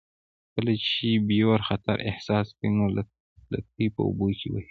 کله چې بیور خطر احساس کړي نو لکۍ په اوبو وهي